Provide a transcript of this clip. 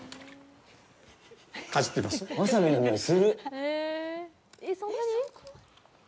わさびのにおいする！